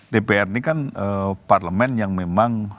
dpr ini kan parlemen yang memang